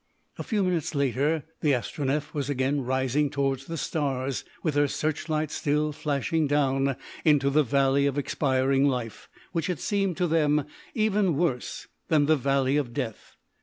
A few minutes later the Astronef was again rising towards the stars with her searchlights still flashing down into the Valley of Expiring Life, which had seemed to them even worse than the Valley of Death.